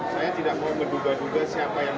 saya tidak mau menduga duga siapa yang